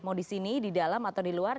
mau di sini di dalam atau di luar